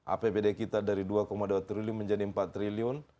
apbd kita dari dua dua triliun menjadi empat triliun